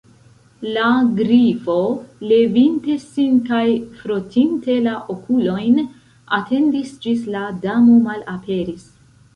La Grifo, levinte sin kaj frotinte la okulojn, atendis ĝis la Damo malaperis.